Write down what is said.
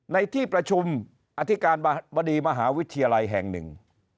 ในที่ประชุมอธิการบดีมหาวิทยาลัยแห่งหนึ่ง